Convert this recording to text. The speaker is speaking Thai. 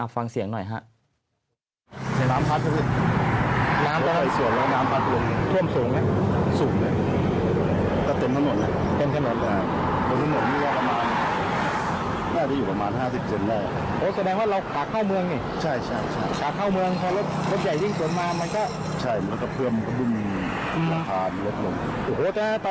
ฟังเสียงหน่อยครับ